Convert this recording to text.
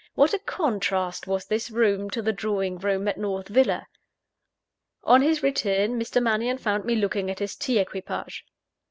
What a contrast was this room to the drawing room at North Villa! On his return, Mr. Mannion found me looking at his tea equipage.